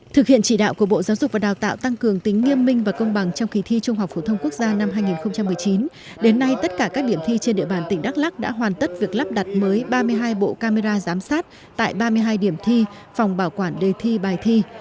thực hiện chỉ đạo của bộ giáo dục và đào tạo tăng cường tính nghiêm minh và công bằng trong kỳ thi trung học phổ thông quốc gia năm hai nghìn một mươi chín đến nay tất cả các điểm thi trên địa bàn tỉnh đắk lắc đã hoàn tất việc lắp đặt mới ba mươi hai bộ camera giám sát tại ba mươi hai điểm thi phòng bảo quản đề thi bài thi